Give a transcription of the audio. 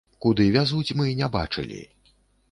Куды вязуць, мы не бачылі.